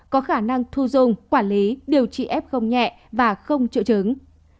có khả năng thu dung quản lý điều trị ép không nhẹ và không triệu chứng